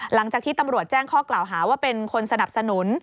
หลังจากที่ตำรวจแจ้งข้อกล่าวหาว่าเป็นคนสนับสนุน